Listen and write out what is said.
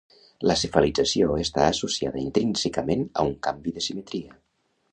La cefalització està associada intrínsecament a un canvi de simetria.